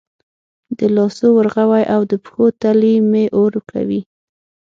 د لاسو ورغوي او د پښو تلې مې اور کوي